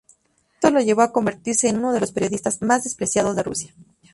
Esto lo llevó a convertirse en uno de los periodistas más despreciados de Rusia.